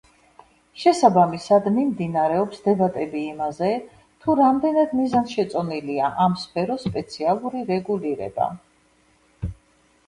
შესაბამისად, მიმდინარეობს დებატები იმაზე, თუ რამდენად მიზანშეწონილია ამ სფეროს სპეციალური რეგულირება.